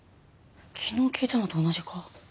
昨日聞いたのと同じか？